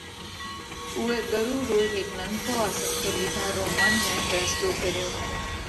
اُوئہ ڳرُو رو هيڪ ننڪو آزمتو لِيڌا رو منَ ۾ ڦينصلو ڪريو۔